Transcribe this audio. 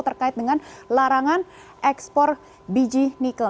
terkait dengan larangan ekspor biji nikel